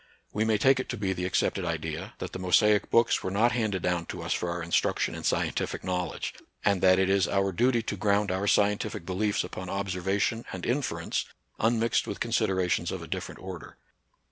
We may take it to be the accepted idea that the Mosaic books were not handed down to us for our instruction in scientific knowledge, and that it is our duty to ground our scientific beliefs upon observation and inference, unmixed with considerations of a different order.